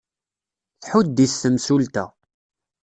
Tḥudd-it temsulta.